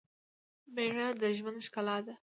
مېړه دژوند ښکلا ده